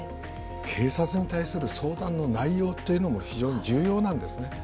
警察に対する相談の内容というのも、非常に重要なんですね。